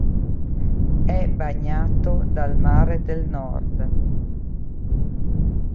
È bagnato dal Mare del Nord.